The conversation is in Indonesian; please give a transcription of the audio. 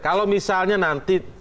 kalau misalnya nanti